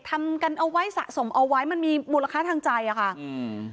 ทำกันเอาไว้สะสมเอาไว้มันมีมูลค่าทางใจอ่ะค่ะอืม